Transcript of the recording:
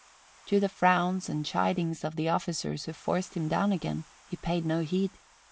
To the frowns and chidings of the officers who forced him down again, he paid no heed.